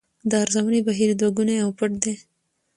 د ارزونې بهیر دوه ګونی او پټ دی.